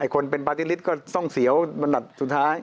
คนเป็นปาร์ตี้ลิตก็ต้องเสียวอันดับสุดท้าย